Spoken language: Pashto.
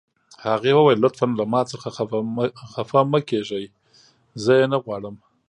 هغې وویل: لطفاً له ما څخه خفه مه کیږئ، زه یې نه غواړم.